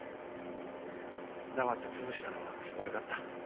黙って潰したのは悪かった。